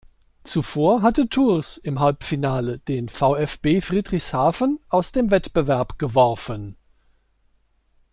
Zuvor hatte Tours im Halbfinale den VfB Friedrichshafen aus dem Wettbewerb geworfen.